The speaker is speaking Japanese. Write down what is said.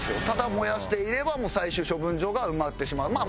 ただ燃やしていれば最終処分場が埋まってしまう。